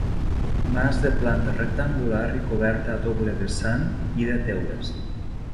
Mas de planta rectangular i coberta a doble vessant i de teules.